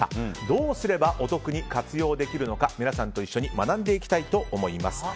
どうすればお得に活用できるのか皆さんと一緒に学んでいきたいと思います。